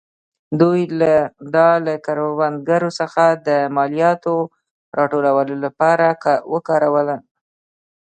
دوی دا له کروندګرو څخه د مالیاتو راټولولو لپاره وکاراوه.